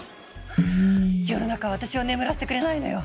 世の中は私を眠らせてくれないのよ！